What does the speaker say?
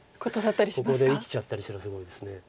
ここで生きちゃったりしたらすごいです。